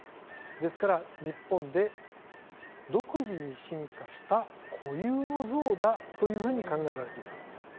ですから日本で独自に進化した固有のゾウだというふうに考えられています。